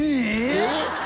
えっ！？